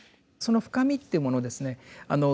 その深みっていうものをですね